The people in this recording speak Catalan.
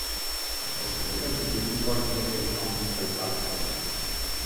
És possible que el suburbi porti aquest nom pel parc Royal.